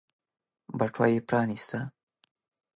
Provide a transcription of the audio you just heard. بټوه يې پرانيسته.